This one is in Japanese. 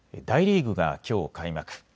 大リーグがきょう開幕。